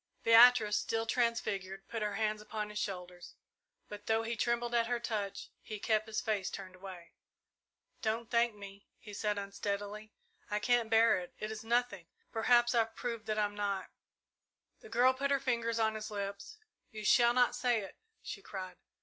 Beatrice, still transfigured, put her hands upon his shoulders; but, though he trembled at her touch, he kept his face turned away. "Don't thank me," he said unsteadily. "I can't bear it. It is nothing. Perhaps I've proved that I'm not " The girl put her fingers on his lips. "You shall not say it!" she cried.